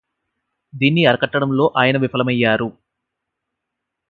దీన్ని అరికట్టడంలో ఆయన విఫలమయ్యారు